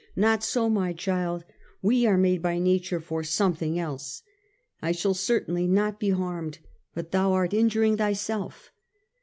Not so, my child; we are made by Nature for something else : I shall certainly not be harmed, but thou art injuring thyself?